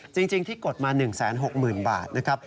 จริงที่กดมา๑๖๐๐๐บาทนะครับ